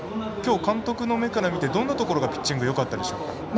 きょう監督の目から見てどんなところがピッチングよかったでしょうか。